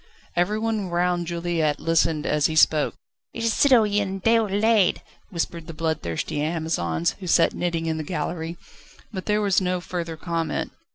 Everyone round Juliette listened as he spoke: "It is Citoyen Déroulède!" whispered the bloodthirsty Amazons, who sat knitting in the gallery. But there was no further comment.